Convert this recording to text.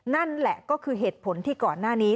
นั่นแหละก็คือเหตุผลที่ก่อนหน้านี้